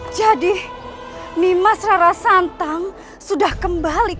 jadi mimas rara santang sudah kembali ke rumahku